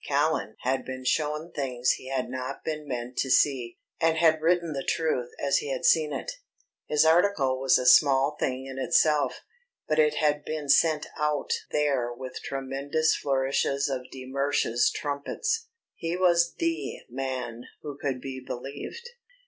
Callan had been shown things he had not been meant to see, and had written the truth as he had seen it. His article was a small thing in itself, but he had been sent out there with tremendous flourishes of de Mersch's trumpets. He was the man who could be believed.